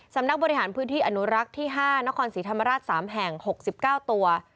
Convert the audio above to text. สำนักบริหารพื้นที่อนุรักษ์ที่๕นครศรีธรรมราช๓แห่ง๖๙ตัว